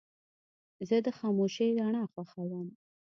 زه د خاموشې رڼا خوښوم.